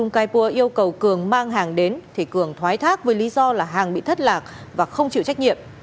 kaipua yêu cầu cường mang hàng đến thì cường thoái thác với lý do là hàng bị thất lạc và không chịu trách nhiệm